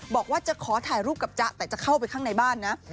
บอกว่าจะขอถ่ายรูปกับจ๊ะแต่จะเข้าไปข้างในบ้านนะ